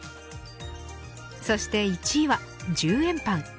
そして１位は、１０円パン。